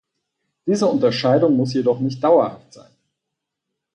Diese Unterscheidung muss jedoch nicht dauerhaft sein.